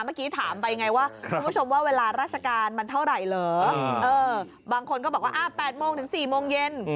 เมื่อกี้ถามไปไงว่าคุณผู้ชมว่าเวลาราชการมันเท่าไหร่เหรอบางคนก็บอกว่า๘โมงถึง๔โมงเย็น